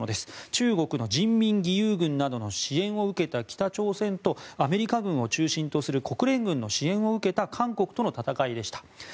中国の人民義勇軍などの支援を受けた北朝鮮とアメリカ軍を中心とする国連軍の支援を受けた韓国との戦いでした。